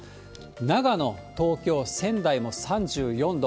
長野、東京、仙台も３４度。